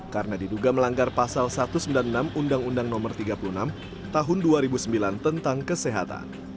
karena diduga melanggar pasal satu ratus sembilan puluh enam undang undang no tiga puluh enam tahun dua ribu sembilan tentang kesehatan